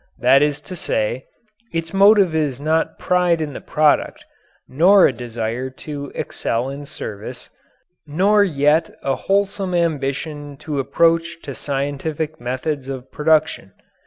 That is to say, its motive is not pride in the product, nor a desire to excel in service, nor yet a wholesome ambition to approach to scientific methods of production.